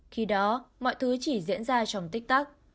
khi đó mọi thứ chỉ diễn ra trong tích tắc